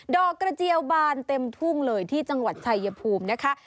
ดอกกระเจียวบานเต็มทุ่งเลยที่จังหวัดชายภูมินะคะ